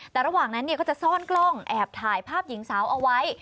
แต่ระหว่างนั้นก็จะซ่อนกล้องแอบถ่ายภาพหญิงสาวเอาไว้